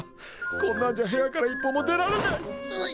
こんなんじゃ部屋から一歩も出られないっ！